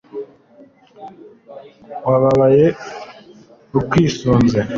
w'abababaye ukwisunz